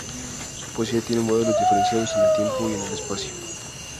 Su poesía tiene modelos diferenciados en el tiempo y en el espacio.